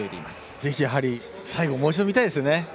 ぜひ最後もう一度、見たいですよね。